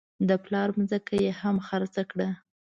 د پلار ځمکه یې هم خرڅه کړه.